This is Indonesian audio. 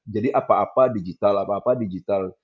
jadi apa apa digital apa apa digital